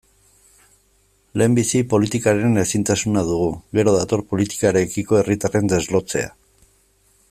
Lehenbizi politikaren ezintasuna dugu, gero dator politikarekiko herritarren deslotzea.